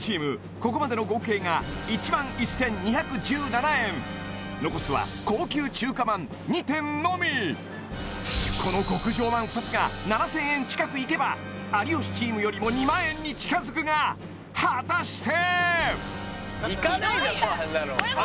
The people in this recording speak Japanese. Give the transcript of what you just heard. ここまでの合計が１万１２１７円残すは高級中華まん２点のみこの極上饅２つが７０００円近くいけば有吉チームよりも２万円に近づくが果たして？